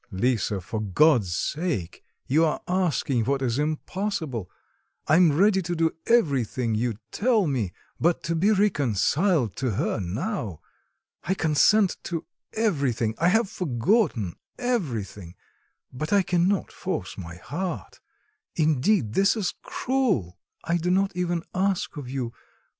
"Lisa, for God's sake, you are asking what is impossible. I am ready to do everything you tell me; but to be reconciled to her now!... I consent to everything, I have forgotten everything; but I cannot force my heart.... Indeed, this is cruel!" "I do not even ask of you...